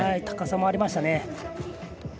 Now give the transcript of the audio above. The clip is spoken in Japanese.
高さもありましたね。